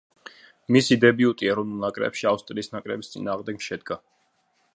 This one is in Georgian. მისი დებიუტი ეროვნულ ნაკრებში ავსტრიის ნაკრების წინააღმდეგ შედგა.